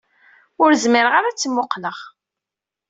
Ur zmireɣ ara ad tt-muqleɣ.